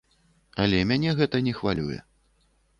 Але мяне гэта не хвалюе.